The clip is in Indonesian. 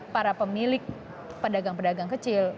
para pemilik pedagang pedagang kecil